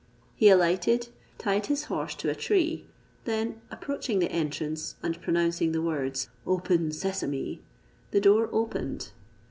He alighted, tied his horse to a tree, then approaching the entrance, and pronouncing the words, Open, Sesame, the door opened.